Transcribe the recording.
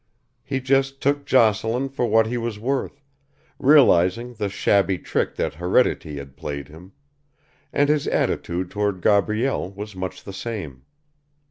He just took Jocelyn for what he was worth, realising the shabby trick that heredity had played him; and his attitude toward Gabrielle was much the same.